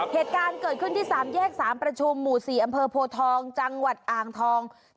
เหตุการณ์เกิดขึ้นที่๓แยก๓ประชุมหมู่๔อำเภอโพทองจังหวัดอ่างทอง